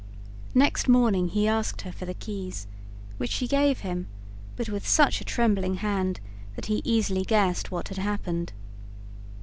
Next morning he asked her for the keys, which she gave him, but with such a trembling hand that he easily guessed what had happened.